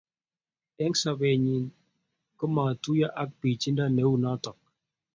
eng sobennyi komatuyo ak bichindo neu notok